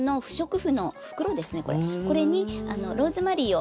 これにローズマリーを。